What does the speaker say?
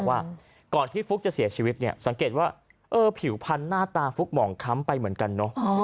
ว่าก่อนที่ฟุ๊กจะเสียชีวิตเนี่ยสังเกตว่าผิวพันธุ์หน้าตาฟุกหมองค้ำไปเหมือนกันเนอะ